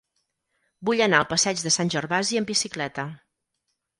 Vull anar al passeig de Sant Gervasi amb bicicleta.